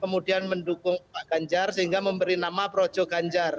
kemudian mendukung pak ganjar sehingga memberi nama projo ganjar